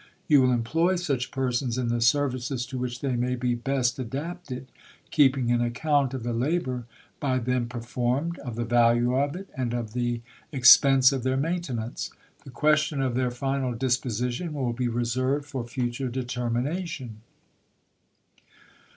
You will employ such persons in the services to which they may be ^Cameron j^q^^ adapted, keeping an account of the labor by them May3o,i86i. performed, of the value of it, and of the expense of their Series III., maintenance. The question of their final disposition will ^"282.' ^' be reserved for future determination.